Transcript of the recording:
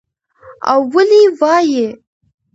او ولې وايى